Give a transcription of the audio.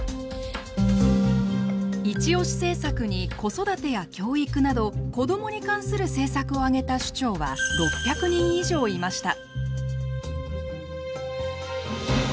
イチオシ政策に子育てや教育など子どもに関する政策をあげた首長は６００人以上いました。